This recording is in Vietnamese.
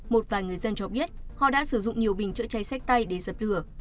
một vài người dân cho biết họ đã sử dụng nhiều bình chữa cháy sách tay để dập lửa